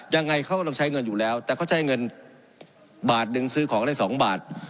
ยังไงเขาก็ต้องใช้เงินอยู่แล้วแต่เขาใช้เงินบาทหนึ่งซื้อของได้๒บาท